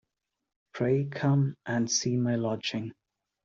Pray come and see my lodging.